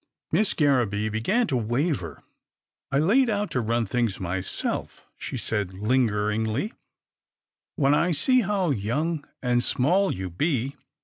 Miss Garraby began to waver. " I laid out to run things myself," she said lingeringly, " when I see how young and small you be.